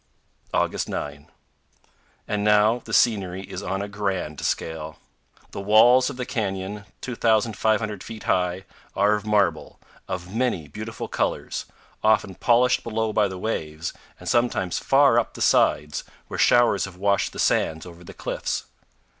August 9. And now the scenery is on a grand scale. The walls of the canyon, 2,500 feet high, are of marble, of many beautiful colors, often polished below by the waves, and sometimes far up the sides, where showers have washed the sands over the cliffs.